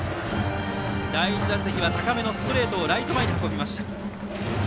第１打席は高めのストレートをライト前に運びました。